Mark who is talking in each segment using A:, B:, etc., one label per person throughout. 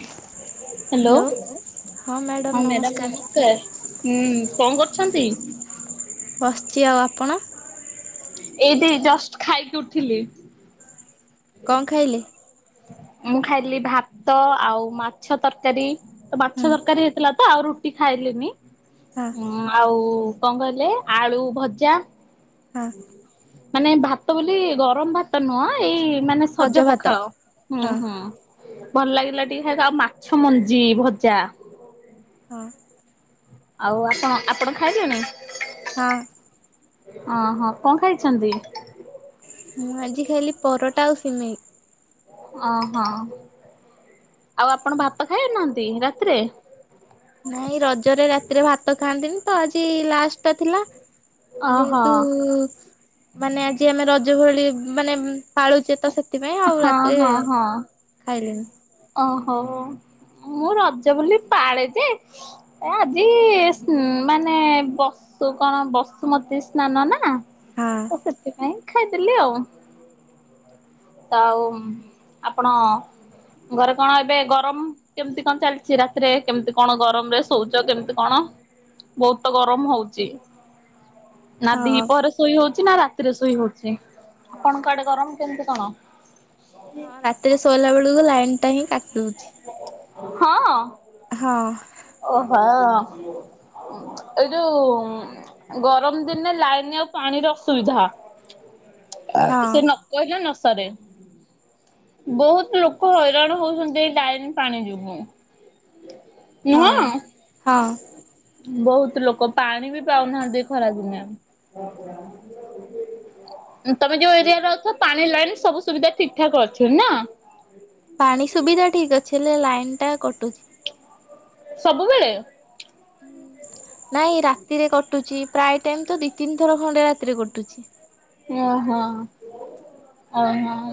A: Hello
B: hello
A: ହଁ madam ନମସ୍କାର। ହୁଁ କଣ କରୁଛନ୍ତି?
B: ବସିଛି ଆଉ ଆପଣ।
A: ଏଇ ଠି ଜଷ୍ଟ ଖାଇକି ଉଠିଲି।
B: କଣ ଖାଇଲେ?
A: ମୁଁ ଖାଇଲି ଭାତ ଆଉ ମାଛ ତରକାରୀ ତ ମାଛ
B: ହୁଁ
A: ତରକାରୀ ହେଇଥିଲା। ତ ଆଉ ରୁଟି ଖାଇଲିନି,
B: ହଁ
A: ଆଉ କଣ କହିଲେ ଆଳୁ ଭଜା
B: ହଁ।
A: ମାନେ ଭାତ ବୋଲି ଗରମ ଭାତ ନୁହଁ, ଏଇ ମାନେ ସଜ ପଖାଳ ହୁଁ
B: ହଁ
A: ହୁଁ। ଭଲ ଲାଗିଲା ଟିକେ ଖ ଆଉ ମାଛ ମଞ୍ଜି ଭଜା।
B: ହଁ।
A: ଆଉ ଆପଣ ଆପଣ ଖାଇଲେନି?
B: ହଁ।
A: ଓହୋ କଣ ଖାଇଛନ୍ତି?
B: ମୁଁ ଆଜି ଖାଇଲି ପରଟା ଆଉ ସିମେଇ।
A: ଓହୋ ଆଉ ଆପଣ ଭାତ ଖାଇ ନାହାନ୍ତି ରାତିରେ?
B: ନାଇଁ ରଜରେ ରାତିରେ ଭାତ ଖାଆନ୍ତିନି ତ ଆଜି ଲାଷ୍ଟ ଟା ଥିଲା।
A: ଓହୋ
B: ଯେହେତୁ ମାନେ ଆଜି ଆମେ ରଜ ଭଳି ମାନେ ପାଳୁଛେ ତ ସେ ସେଥିପାଇଁ ଆଉ
A: ହଁ
B: ରାତିରେ
A: ହଁ ହଁ
B: ଖାଇଲିନି।
A: ଓହୋ ମୁଁ ରଜ ବୋଲି ପାଳେ ଯେ ଏ ଆଜିସି ମାନେ ବ ସେ କଣ ବସୁମତୀ ସ୍ନାନ ନା
B: ହଁ
A: ତ ସେଥିପାଇଁ ଖାଇଦେଲି ଆଉ। ତ ଆଉ ଆପଣ ଘରେ କଣ ଏବେ ଗରମ କେମିତି କଣ ଚାଲିଛି ରାତିରେ କେମିତି କଣ ଗରମ ରେ ସଉଚ କେମିତି କଣ? ବହୁତ ତ ଗରମ ହଉଛି। ନା ଦି
B: ହଁ
A: ପହରେ ଶୋଇ ହଉଛି ନା ରାତିରେ ଶୋଇ ହଉଛି।
B: ହଁ
A: ଆପଣଙ୍କ ଆଡେ ଗରମ କେମିତି କଣ?
B: ହଁ ରାତିରେ ଶୋଇଲା ବେଳକୁ ଲାଇନ ଟା ହିଁ କାଟି ଦଉଛି।
A: ହଁ।
B: ହଁ।
A: ଓହୋ ଏ ଯୋଉ ଗରମ ଦିନେ ଲାଇନ ଆଉ ପାଣିର ଅସୁବିଧା
B: ହଁ
A: ସେ ନ କହିଲେ ନ ସରେ। ବହୁତ ଲୋକ ହଇରାଣ ହଉଛନ୍ତି ଏଇ ଲାଇନ ପାଣି ଯୋଗୁଁ।
B: ହଁ
A: ନୁହଁ?
B: ହଁ
A: ବହୁତ ଲୋକ ପାଣି ବି ପାଉନାହାନ୍ତି ଏ ଖରା ଦିନେ। ତମେ ଯୋଉ ଏରିଆରେ ଅଛ ପାଣି ଲାଇନ ସବୁ ସୁବିଧା ଠିକ ଠାକ ଅଛି ନା?
B: ପାଣି ସୁବିଧା ଠିକ ଅଛି ହେଲେ ଲାଇନ ଟା କଟୁଛି।
A: ସବୁବେଳେ?
B: ନାଇଁ ରାତିରେ କଟୁଛି। ପ୍ରାୟ ଟାଇମ ତ ଦି ତିନି ଥର ଖଣ୍ଡେ ରାତିରେ କଟୁଛି।
A: ଓ ହୋ ଓ ହୋ।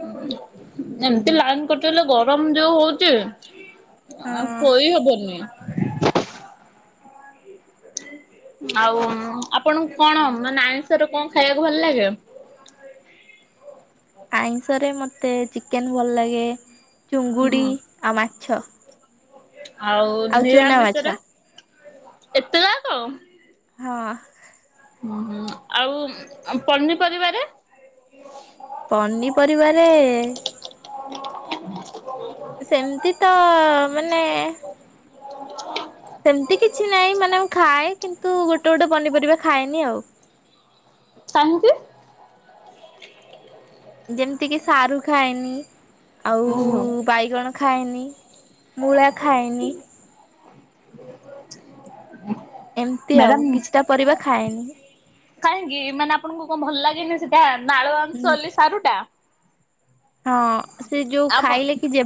A: ଏମିତି ଲାଇନ୍ କାଟିଗଲେ ଗରମ ଯୋଉ ହଉଛି। ଆଉ
B: ହଁ
A: ସୋଇ ହବନି। ଆଉ ଆପଣଙ୍କୁ କଣ ମାନେ ଆଇଁଷ ରେ କଣ ଖାଇବାକୁ ଭଲ ଲାଗେ?
B: ଆଇଁଷରେ ମୋତେ ଚିକେନ୍ ଭଲ ଲାଗେ। ଚିଙ୍ଗୁଡ଼ି
A: ହୁଁ।
B: ଆଉ ମାଛ।
A: ଆଉ
B: ଚୁନା ମାଛ
A: ନିରାମିଶରେ ଏତେ ଯା କ।
B: ହଁ।
A: ହୁଁ ଆଉ ପନିପରିବାରେ?
B: ପନିପରିବାରେ
A: [inaudible]
B: ସେମିତି ତ ମାନେ ସେମିତି କିଛି ନାହିଁ ମାନେ ମୁଁ ଖାଏ କିନ୍ତୁ ଗୋଟେ ଗୋଟେ ପନିପରିବା ଖାଏନି ଆଉ।
A: କାହିଁକି?
B: ଯେମିତି କି ସାରୁ ଖାଏନି ଆଉ
A: ଓହୋ।
B: ବାଇଗଣ ଖାଏନି। ମୁଳା ଖାାଇନି।
A: [inaudible]
B: ଏମିତି
A: ମ୍ୟାଡ଼ାମ
B: ଆଉ, କିଛିଟା ପରିବା ଖାଏନି।
A: କାହିଁକି ମାନେ ଆପଣଙ୍କୁ କଣ ଭଲ ଲାଗେନି ସେଟା ନାଳୁଆ ଅଂଶ
B: ହୁଁ
A: ବୋଲି ସାରୁ ଟା।
B: ହଁ ସେ ଯୋଉ ଖାଇଲେ କି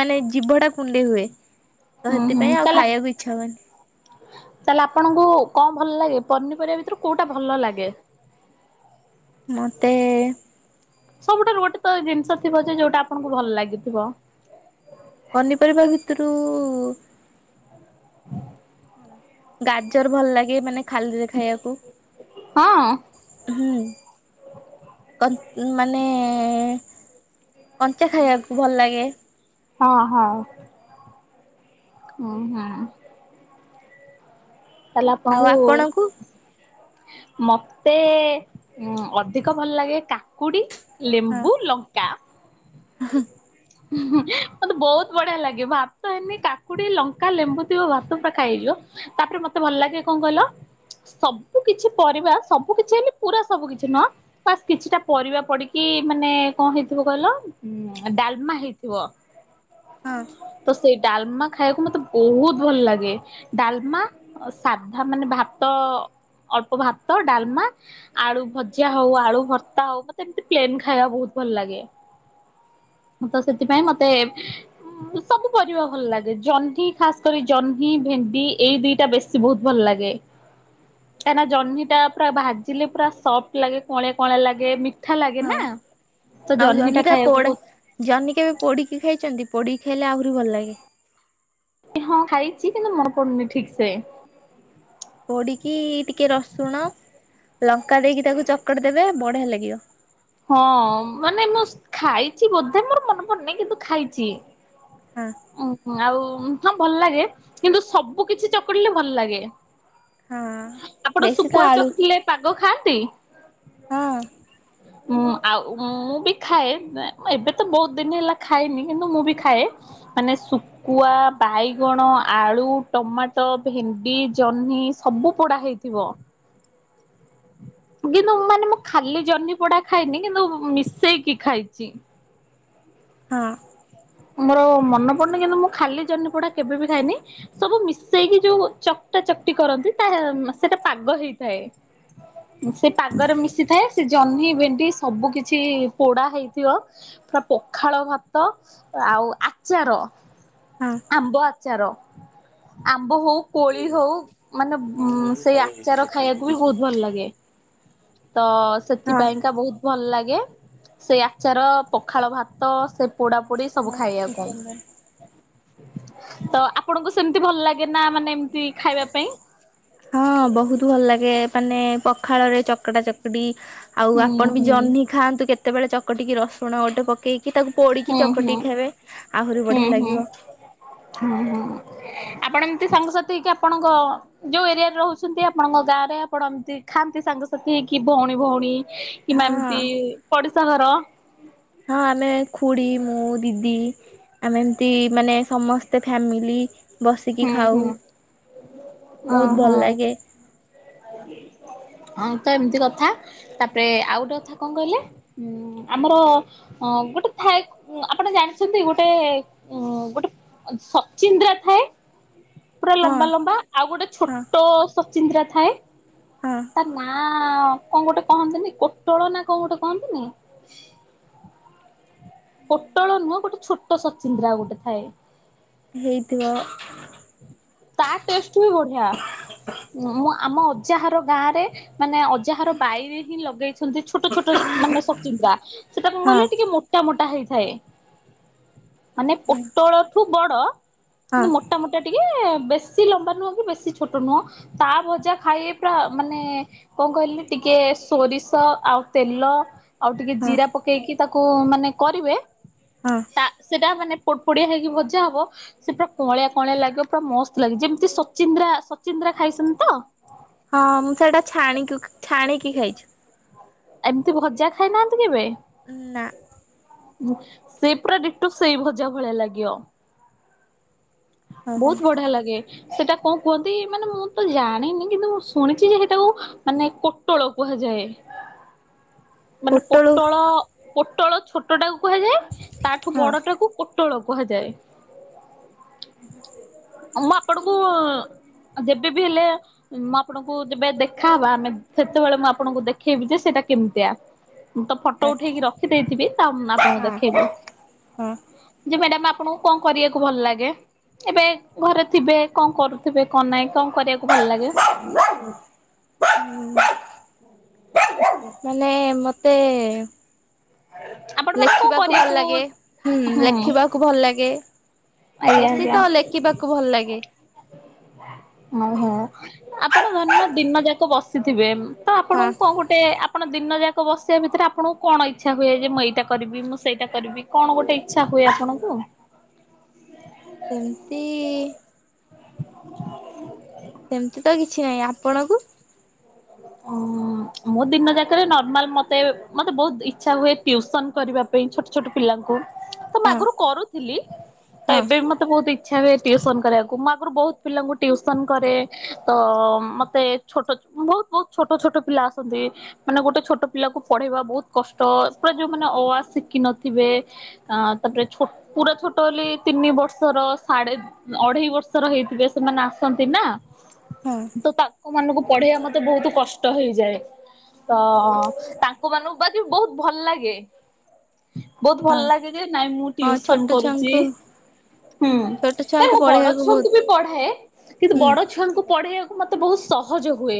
B: ମାନେ ଜୀଭଡା କୁଣ୍ଡେଇ ହୁଏ। ତ
A: ହୁଁ ହୁଁ
B: ସେଥିପାଇଁ ଆଉ ଖାଇବାକୁ ଇଚ୍ଛା ହୁଏନି
A: [unintelligible] ତାହେଲେ ଆପଣଙ୍କୁ କୋଉଟା ଭଲଲାଗେ? ପନିପରିବା ଭିତରୁ କୋଉଟା ଭଲ ଲାଗେ?
B: ମତେ
A: ସବୁଠାରୁ ଗୋଟେ ତ ଜିନିଷ ଥିବ ଯେ ଯୋଉଟା ଆପଣଙ୍କୁ ଭଲ ଲାଗିଥିବ।
B: ପନିପରିବା ଭିତରୁ
A: [inaudible]
B: ଗାଜର ଭଲ ଲାଗେ ମାନେ ଖାଲିରେ ଖାଇବାକୁ।
A: ହଁ।
B: [unintelligible] କ ମାନେ କଞ୍ଚା ଖାଇବାକୁ ଭଲ ଲାଗେ।
A: ହଁ ହଁ। ହୁଁ ହୁଁ। ତା ହେଲେ ଆପଣଙ୍କୁ ମତେ ଉ ଅଧିକ ଭଲ ଲାଗେ କାକୁଡି,
B: ହଁ
A: ଲେମ୍ବୁ ଲଙ୍କା।
B: [unintelligible]
A: ମତେ ବହୁତ ବଢିଆ ଲାଗେ ଭାତ ହେଲେ କାକୁଡ଼ି ଲଙ୍କା ଲେମ୍ବୁ ଥିବ ଭାତ ପୁରା ଖାଇହେଇଯିବ। ତାପରେ ମତେ ଭଲ ଲାଗେ କଣ କହିଲ ସବୁ କିଛି ପରିବା ସବୁ କିଛି ହେଲେ ପୁରା ସବୁ କିଛି ନୁହଁ। ବାସ୍ କିଛିଟା ପରିବା ପଡ଼ିକି ମାନେ କଣ ହେଇଥିବ କହିଲ ଡା [unintelligible]
B: ହଁ।
A: ତ ସେଇ ଡାଲମା ଖାଇବାକୁ ମତେ ବହୁତ ଭଲ ଲାଗେ। ଡାଲମା ଅ ସାଧା ମାନେ ଭାତ ଅଳ୍ପ ଭାତ ଡାଲମା। ଆଳୁ ଭଜା ହଉ ଆଳୁ ଭର୍ତ୍ତା ହଉ ମତେ ଏମତି ପ୍ଲେନ୍ ଖାଇବା ବହୁତ ଭଲ ଲାଗେ। ତ ସେଥିପାଇଁ ମତେ ସବୁ ପରିବା ଭଲ ଲାଗେ ଜହ୍ନି ଖାସ କରି ଜହ୍ନି ଭେଣ୍ଡି ଏଇ ଦିଟା ବେଶୀ ବହୁତ ଭଲ ଲାଗେ। କାହିଁକନା ଜହ୍ନି ଟା ପୁରା ଭାଜିଲେ ପୁରା ସଫ୍ଟ ଲାଗେ କଙ୍ଲିଆ କଙ୍ଲିଆ ଲାଗେ। ଠା ଲାଗେ
B: ହଁ
A: ନା ତ
B: ଆଉ
A: ଜହ୍ନିଟା ଖାଇବାକୁ
B: ପୋଡା
A: ବହୁ
B: ଜହ୍ନି କେବେ ପୋଡିକି ଖାଇଛନ୍ତି ପୋଡିକି ଖାଇଲେ ଆହୁରି ଭଲ ଲାଗେ।
A: ହଁ ଖାଇଛି କିନ୍ତୁ ମନେ ପଡୁନି ଠିକ ସେ।
B: ପୋଡିକି ଟିକେ ରସୁଣ ଲଙ୍କା ଦେଇକି ତାକୁ ଚକଟ ଦେବେ ବଢିଆ ଲାଗିବ।
A: ହଁ ମାନେ ମୁଁ ଖାଇଛି ବୋଧେ ମୋର ମନେ ପନହିଁ କିନ୍ତୁ ଖାଇଛି।
B: ହଁ।
A: ଉ ଆଉ ହଁ ଭଲ ଲାଗେ କିନ୍ତୁ ସବୁ କିଛି ଚକଡିଲେ ଭଲ ଲାଗେ।
B: ହଁ
A: ଆପଣ
B: ବେଶୀ ତ
A: ଶୁଖୁଆ
B: ଆଳୁ
A: ଚଖଥିଲେ ପାଗ ଖାଆନ୍ତି?
B: ହଁ।
A: ହଁ ଆଉ ମୁଁ ବି ଖାଏ ଏବେ ତ ବହୁତ ଦିନ ହେଲା ଖାଏନି କିନ୍ତୁ ମୁଁ ବି ଖାଏ। ମାନ ସୁ କୁଆ ବାଇଗଣ ଆଳୁ ଟମାଟୋ ଭେଣ୍ଡି ଜହ୍ନି ସବୁ ପୋଡ଼ା ହେଇଛି। ଥିବ କିନ୍ତୁ ମାନେ ମୁଁ ଖାଲି ଜହ୍ନି ପୋଡା ଖାଇନି କିନ୍ତୁ ମିଶେଇକି ଖାଇଛି।
B: ହଁ।
A: ମୋର ମନେ ପଡନି କିନ୍ତୁ ମୁଁ ଖାଲି ଜହ୍ନିପୋଡା କେବେ ବିି ଖାଇନି। ସବୁ ମିଶେଇକି ଯୋଉ ଚକଟା ଚକଟି କରନ୍ତି ତା ସେଟା ପାଗ ହେଇଥାଏ। ସେ ପାଗରେ ମିଶିଥାଏ ସେ ଜହ୍ନି ଭେଣ୍ଡି। ସବୁ କିଛି ପୋଡା ହେଇଥିବ ପୁରା ପଖାଳ ଭାତ। ଆଉ ଆଚାର
B: ହଁ
A: ଆମ୍ବ ଆଚାର ଆମ୍ବ ହୋଉ। କୋଳି ହଉ ମାନେ ସେଇ ଆଚାର ଖାଇବାକୁ ବି ବହୁତ ଭଲ ଲାଗେ। ତ
B: ହଁ।
A: ସେଥିପାଇଁକା ବହୁତ ଭଲ ଲାଗେ। ସେ ଆଚାର ପଖାଳ ଭାତ ସେ ପୋଡା ପୋଡି ସବୁ ଖାଇବାକୁ। ତ ଆପଣଙ୍କୁ ସେମିତି ଭଲ ଲାଗେ ନା ମାନେ ଏମିତି ଖାଇବା ପାଇଁ?
B: ହଁ ବହୁତ ଭଲ ଲାଗେ ମାନେ ପଖାଳରେ ଚକଡା ଚକଡି। ଆଉ
A: ହୁଁ
B: ଆପଣ ବି
A: ହୁଁ
B: ଜହ୍ନି ଖାଆନ୍ତୁ କେତେବେଳେ ଚକଟିକି ରସୁଣ ଗୋଟେ ପ କେଇକି ତାକୁ ପୋଡିକି
A: ହୁଁ ହୁଁ
B: ଚକଟିିକ ଖାଇବେ ଆହୁରି
A: ହୁଁ
B: ବଢିଆ
A: ହୁଁ।
B: ଲାଗିବ।
A: ହୁଁ ହୁଁ ଆପଣ ଏମିତି ସାଙ୍ଗସାଥି କି ଆପଣଙ୍କ ଯୋଉ ଏରିଆରେ ରହୁଛନ୍ତି ଆପଣଙ୍କ ଗାଁ ରେ ଆପଣ ଏମିତି ଖାଆନ୍ତି ସାଙ୍ଗସାଥି ହେଇ କିି ଭଉଣୀ ଭଉଣୀ କିମ୍ବା
B: ହଁ
A: ଏମିତି ପଡିଶା ଘର।
B: ହଁ ଆମେ ଖୁଡି ମୁଁ ଦିଦି। ଆମେ ଏମତି ମାନେ ସମସ୍ତେ ଫ୍ୟାମିଲି। ବସିକି
A: ହୁଁ
B: ଖାଉ
A: ହୁଁ
B: ବହୁତ
A: ଓହୋ
B: ଭଲ ଲାଗେ।
A: ହଁ ତ ଏମିତି କଥା ତାପରେ ଆଉ ଗୋଟେ କଥା କଣ କହିଲେ? ହୁଁ ଆମର। ହଁ ଗୋଟେ ଥାଏ ଆପଣ ଜାଣିଛନ୍ତି ଗୋଟେ ଉଁ ଗୋଟେ। ସଚିନ୍ଦ୍ରା ଥାଏ। ପୁରା
B: ହଁ
A: ଲମ୍ବା ଲମ୍ବା ଆଉ ଗୋଟେ
B: ହଁ
A: ଛୋଟ ସଚିନ୍ଦ୍ରା ଥାଏ
B: ହଁ।
A: ତା ନାଁ ଆଁ କଣ ଗୋଟେ କହନ୍ତିନି ପୋଟଳ ନା କଣ ଗୋଟେ କହନ୍ତିନି? ପୋଟଳ ନୁହଁ ଗୋଟେ ଛୋଟ ସଚିନ୍ଦ୍ରା ଗୋଟେ ଥାଏ।
B: ହେଇଥିବ?
A: ତା ଟେଷ୍ଟ ବି ବଢିଆ। ମୁଁ ଆମ ଅଜାଘର ଗାଁରେ ମାନେ ଯାହାର ବାଇରେ ହିଁ ଲଗେଇଛନ୍ତି ଛୋଟ ଛୋଟ ମାନେ ସଚିନ୍ଦ୍ରା। ସେଟା ମୁଁ କଣ
B: ହଁ
A: କହିଲେ ଟିକେ ମୋ ମୋଟା ମୋଟା ହେଇଥାଏ ମାନେ ପୋଟଳଠୁ ବଡ
B: ହଁ
A: କିନ୍ତୁ ମୋ ତ ମୁଟା ଟିକେ ବେଶୀ ଲମ୍ବା ନୁହଁ କି ବେଶୀ ଛୋଟ ନୁହଁ। ତା ଭଜା ଖାଇ ପୁରା ମାନେ କଣ କହିଲି ଟିକେ ସୋରିଷ ଆଉ ତେଲ ଆଉ ଟିକେ
B: ହଁ
A: ଜିରା ପକେଇକି ତାକୁ ମାନେ କରିବେ।
B: ହଁ।
A: ତା ସେଇଟା ମାନେ ପୋ ପୋଡିଆ ହେଇକି ଭଜା ହବ ସେ ପୁରା କୁଅଁଳିଆ କଅଁଳିଆ ଲାଗିବ ପୁରା ମସ୍ତ ଲାଗେ ଯେମିତି ସଚିନ୍ଦ୍ରା ସଚିନ୍ଦ୍ରା ଖାଇସନ୍ତି ତ?
B: ହଁ ମୁଁ ସେଇଟା ଛାଣି ଛାଣିକି ଖାଇଛି।
A: ଏମିତି ଭଜା ଖାଇନାହାନ୍ତି କେବେ?
B: ନା?
A: ସେ ପୁରା ଦିଟୋ ସେଇ ଭଜା ଭଳିଆ ଲାଗିବ।
B: ଓହୋ।
A: ବହୁତ ବଢିଆ ଲାଗେ। ସେଟା କଣ କୁହନ୍ତି ମାନେ ମୁଁ ତ ଜାଣିନି କିନ୍ତୁ ମୁଁ ଶୁଣିଛି ଯେ ସେଇଟାକୁ ମାନେ ତୋଳ କୁହାଯାଏ। ମାନେ
B: ପୋଟଳୁ
A: ପୋଟଳ ପୋଟଳ ଛୋଟ ଟାକୁ କୁହାଯାଏ, ତାଠୁ
B: ହଁ
A: ବଡଟାକୁ ପ- ପୋଟଳ କୁହାଯାଏ।
B: ହୁଁ [inaudible]
A: ମୁଁ ଆପଣକୁ ଯେବେବି ହେଲେ ମୁଁ ଆପଣଙ୍କୁ ଯେବେ ଦେଖାହବା ଆମେ ସେତେବେଳେ ମୁଁ ଆପଣଙ୍କୁ ଦେଖେଇବି ଯେ ସେଇଟା କେମିତିଆ। ମୁଁ ତ ଫଟୋ
B: ହଁ
A: ଉଠେଇକି ରଖି ଦେଇଥିବି, ତା ମୁ ଆପଣଙ୍କୁ ଦେଖେଇବି।
B: ହଁ।
A: ଯେ ମ୍ୟାଡାମ ଆପଣଙ୍କୁ କଣ କରିବାକୁ ଭଲ ଲାଗେ? ଏବେ ଘରେ ଥିବେ, କଣ କରୁଥିବେ କଣ ନାଇଁ କଣ କରିବାକୁ ଭଲ ଲାଗେ?
B: ବ ବ ମାନେ ମତେ
A: ଆପଣ ମାନେ କଣ
B: ଲେଖିବାକୁ ଭଲ
A: କରିବାକୁ
B: ଲାଗେ ହୁଁ ଲେଖିବାକୁ ଭଲ ଲାଗେ।
A: ଆଜ୍ଞା
B: ବେଶୀ
A: ଆଜ୍ଞା।
B: ତ ଲେଖିବାକୁ ଭଲ ଲାଗେ
A: ଓହୋ ଆପଣ ଧନ୍ୟ ଦିନ ଯାକ ବସିଥିବେ ତ ଆପଣ
B: ହଁ।
A: କ ଗୋ ସେ ଆପଣ ଦିନ ଯାକ ବସିବା ଭିତରେ ଆପଣଙ୍କୁ କଣ ଇଚ୍ଛା ହୁଏ। ଯେ ମୁଁ ଏଇଟା କରିବି ମୁଁ ସେଇଟା କରିବି। କଣ ଗୋଟେ ଇଚ୍ଛା ହୁଏ ଆପଣଙ୍କୁ?
B: ସେମିତି
A: [inaudible]
B: ସେମିତି ତ କିଛି ନାହିଁ ଆପଣଙ୍କୁ?
A: ଉ ମୁଁ ଦିନ ଯାକରେ ନର୍ମାଲ ମତେ ମତେ ବହୁତ ଇଚ୍ଛା ହୁଏ ଟ୍ୟୁସନ କରିବା। ଛୋଟ ଛୋଟ ପିଲାଙ୍କୁ ତ ମୁ
B: ହଁ
A: ଆଗରୁ କରୁଥିଲି। ତ
B: ହଁ
A: ଏବେ ବି ମତେ ବହୁତ ଇଚ୍ଛା ହୁଏ, ଟିଉସନ କରିବାକୁ। ମୁଁ ଆଗରୁ ବହୁତ ପିଲାଙ୍କୁ ଟିଉସନ କରେ ତ ମତେ- ସେ ଛୋଟ ବହୁତ ବହୁତ ଛୋଟ ଛୋଟ ପିଲା ଆସନ୍ତି। ମାନେ ଗୋଟେ ଛୋଟ ପିଲା କୁ ପଢେଇବା ବହୁତ କଷ୍ଟ। ପୁରା ଯୋଉ ମାନେ ଅ, ଆ ଶିଖିନଥିବେ। ଅ ତାପରେ ପୁରା ଛୋଟ ହେଲେ ତିନି ବର୍ଷର ସାଢେ ଅଢେଇ ବର୍ଷର ହେଇଥିବେ, ସେମାନେ ଆସନ୍ତି ନା
B: ହଁ
A: ତ ତାଙ୍କ ମାନଙ୍କୁ- ପଢେଇବା ମତେ ବହୁତ କଷ୍ଟ ହେଇଯାଏ। ତ ତାଙ୍କ ମାନଙ୍କୁ ବା ବହୁତ ଭଲ ଲାଗେ। ବହୁତ
B: ହଁ।
A: ଭଲ ଲାଗେ ଯେ ନାଇଁ ମୁଁ
B: ହଁ ଛୋଟ
A: ଟ୍ୟୁସନ କରୁଛି।
B: ଛୁଆଙ୍କୁ
A: ହୁଁ
B: ଛୋଟ
A: ତାଲେ
B: ଛୁଆଙ୍କୁ
A: ମୁଁ ବଡ
B: ପଢେଇବାକୁ ବହୁତ
A: ଛୁଆଙ୍କୁ ବି ପଢାଏ କିନ୍ତୁ
B: ହୁଁ।
A: ବଡ ଛୁଆଙ୍କୁ ପଢେ ଆ ମତେ ବହୁତ ସହଜ ହୁଏ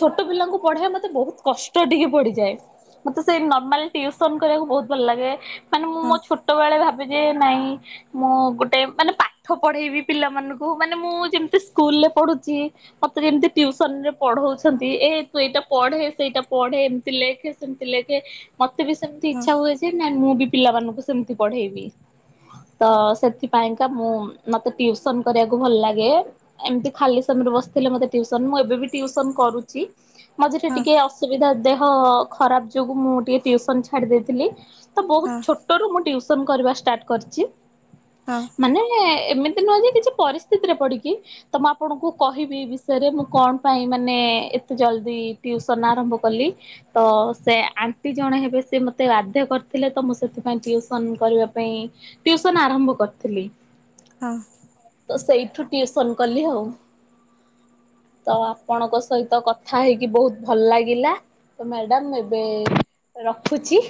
A: ଛୋଟ ପିଲାଙ୍କୁ ପଢ଼େବା ମତେ ବହୁତ କଷ୍ଟ ଟିକେ ପଡିଯାଏ। ମତେ ସେଇ ନର୍ମାଲ ଟ୍ୟୁସନ କରିବାକୁ ବହୁତ ଭଲ ଲାଗେ ମାନେ ମୁଁ
B: ହଁ
A: ମୋ ଛୋ- ତେବେଳେ ଭାବେ ଯେ ନାଇଁ- ମୁଁ ଗୋଟେ ମାନେ ପାଠ ପଢେଇବି, ପିଲାମାନଙ୍କୁ ମାନେ ମୁଁ ଯେମିତି ସ୍କୁଲରେ ପଢୁଛି। ମୋତେ ଯେମିତି - ଟ୍ୟୁସନ ରେ ପଢଉଛନ୍ତି, ଏ ତୁ ଏଇଟା ପଢେ ସେଇଟା ପଢେ ଏମିତି ଲେଖେ ସେମିତି ଲେଖେ। ମୋତେ ବି ସେମିତି
B: ହଁ
A: ଇଚ୍ଛା ହୁଏ ଯେ ନା ମୁଁ ବି ପିଲାମାନଙ୍କୁ ସେମିତି ପଢେଇବି। ତ ସେଥିପାଇଁକା ମୁଁ ମତେ ଟିଉସନ କରିବାକୁ ଭଲ ଲାଗେ। ଏମିତି ଖାଲି ସମୟରେ ବସିଥିଲେ ମତେ ଟିଉସନ। ମୁଁ ଏବେ ବି ଟିଉସନ କରୁଛି ମଝିରେ
B: ହଁ
A: ଟିକେ ଅ ଅସୁବିଧା ଦେହ ଖରାପ ଯୋଗୁ ମୁଁ ଟିକେ ଟିଉସନ ଛାଡି ଦେଇଥିଲି। ତ ବହୁତ
B: ହଁ
A: ଛୋଟ ଛୋଟ ରୁ ମୁଁ ଟିଉସନ କରିବା ଷ୍ଟାର୍ଟ କରିଛି।
B: ହଁ।
A: ମାନେ ଏମ ନୁହଁ କିଛି ପରିସ୍ଥିତି ରେ ପଡିକି ତ ମୁଁ ଆପଣଙ୍କୁ କହିବି। ସରେ ମୁଁ କଣ ପାଇଁ ମାନେ ଏତେ ଜଲ୍ଦି ଟ୍ୟୁସନ୍ ଆରମ୍ଭ କଲି। ତ ସେ ଆଣ୍ଟି ଜଣେ ହେବେ ସେ ମୋତେ ବାଧ୍ୟ କରିଥିଲେ ତ ମୁଁ ସେଥିପାଇଁ ଟିଉସନ କରିବା ପାଇଁ ଟିଉସନ ଆରମ୍ଭ କରିଥିଲି।
B: ହଁ।
A: ତ ସେଇଠୁ ଟିଉସନ କଲି ଆଉ। ତ ଆପଣଙ୍କ ସହିତ କଥା ହେଇକି ବହୁତ ଭଲ ଲାଗିଲା। ତ ମ୍ୟାଡ଼ାାମ ଏବେ ରଖୁଛି।